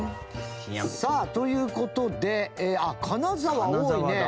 さあという事で金沢多いね。